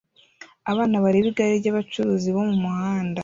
Abana bareba igare ryabacuruzi bo mumuhanda